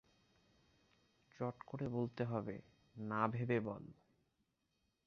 চট করে বলতে হবে, না-ভেবে বল!